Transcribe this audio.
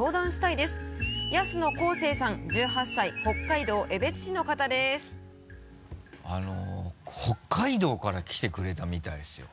北海道から来てくれたみたいですよ。